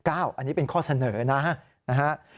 อันนี้เป็นข้อเสนอนะฮะ